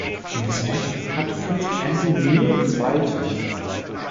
Bis heute hat Prinz Andrew nur zwei Töchter.